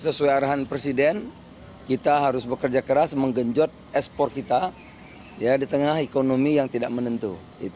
sesuai arahan presiden kita harus bekerja keras menggenjot ekspor kita di tengah ekonomi yang tidak menentu